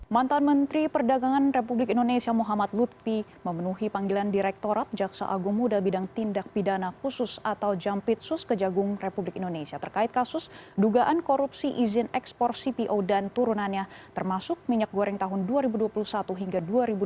mantan menteri perdagangan republik indonesia muhammad lutfi memenuhi panggilan direktorat jaksa agung muda bidang tindak pidana khusus atau jampitsus kejagung republik indonesia terkait kasus dugaan korupsi izin ekspor cpo dan turunannya termasuk minyak goreng tahun dua ribu dua puluh satu hingga dua ribu dua puluh